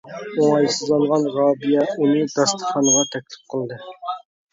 ئوڭايسىزلانغان رابىيە ئۇنى داستىخانغا تەكلىپ قىلدى.